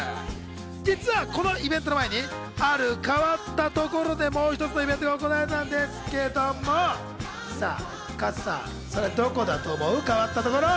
実はこのイベントの前に変わったところでもう一つのイベントが行われたんですけども、さぁ加藤さん、それどこだと思う？